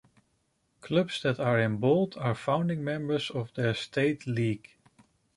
Clubs that are in bold are founding members of their state league.